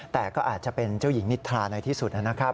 แต่ก็อาจจะเป็นเจ้าหญิงนิทราในที่สุดนะครับ